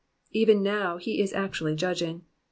'*^ Even now he is actually judging.